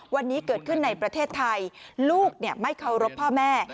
วันนี้เกิดขึ้นในประเทศไทยลูกไม่เคารพพ่อแม่